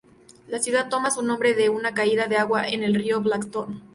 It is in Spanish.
La ciudad toma su nombre de una caída de agua en el Río Blackstone.